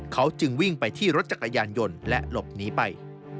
เขาจึงวิ่งไปที่รถจักรยานยนต์และหลบหนีไป